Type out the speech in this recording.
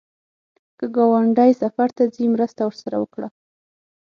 که ګاونډی سفر ته ځي، مرسته ورسره وکړه